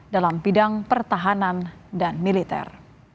dalam bidang pertahanan dan militer